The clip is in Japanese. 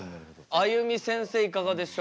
あゆみせんせいいかがでしょう？